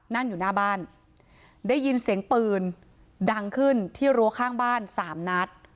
นั่งอยู่หน้าบ้านได้ยินเสียงปืนดังขึ้นที่รั้วข้างบ้านสามนัด